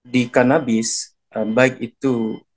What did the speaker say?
di kanabis baik itu